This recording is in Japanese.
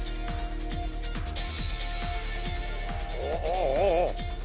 おおおおおお。